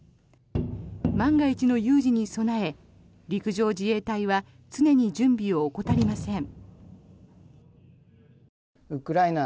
万が一の有事に備え陸上自衛隊は常に準備を怠りません。